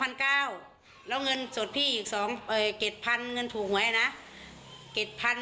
พันเก้าแล้วเงินสดพี่อีกสองเอ่ยเก็ดพันเงินถูกไว้นะเก็ดพัน